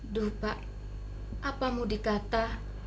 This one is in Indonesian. duh pak apa mau dikata